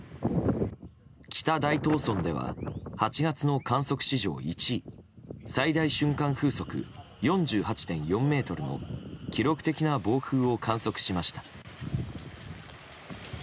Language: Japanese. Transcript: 北大東村では８月の観測史上１位最大瞬間風速４８．４メートルの記録的な暴風を観測しました。